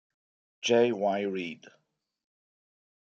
J. Y. Reid.